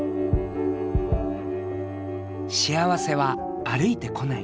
幸せは歩いてこない。